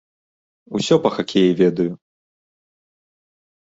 Усё па хакеі ведаю.